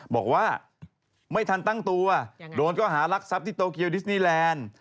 บอกว่าไม่ทันตั้งตัวโดนก็หารักทรัพย์ที่โตเกียวดิสนีแลนด์